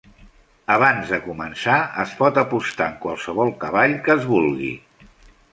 Abans de començar, es pot apostar en qualsevol cavall que es vulgui.